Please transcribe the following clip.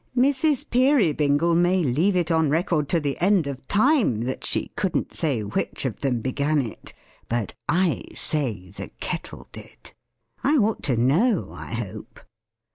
Mrs. Peerybingle may leave it on record to the end of time that she couldn't say which of them began it; but I say the Kettle did. I ought to know, I hope?